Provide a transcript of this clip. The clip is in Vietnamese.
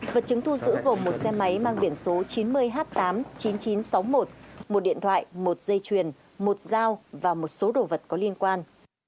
vật chứng thu giữ gồm một xe máy mang biển số chín mươi h tám mươi chín nghìn chín trăm sáu mươi một một điện thoại một dây chuyền một dao và một số đồ vật có liên quan